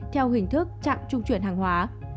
theo hình thức chặng trung chuyển hàng hóa